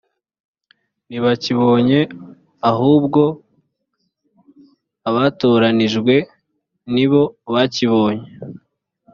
ntibakibonye ahubwo abatoranijwe ni bo bakibonye